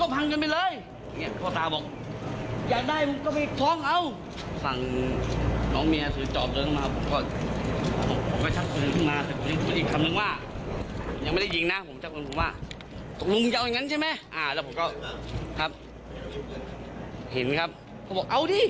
พี่สาวอีกคนของแม่ยายเสียชีวิต๓ศพก่อนหลบหนี